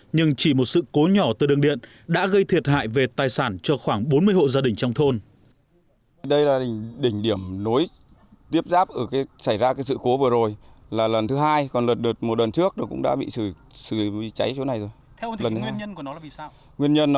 nhưng chỉ một sự cố nhỏ từ đường điện đã gây thiệt hại về tài sản cho khoảng bốn mươi hộ gia đình trong thôn